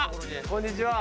こんにちは。